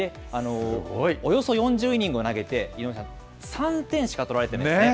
およそ４０イニングを投げて、３点しか取られてないんですね。